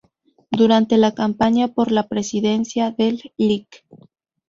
Durante la campaña por la presidencia del Lic.